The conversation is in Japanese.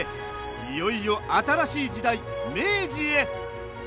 いよいよ新しい時代明治へ！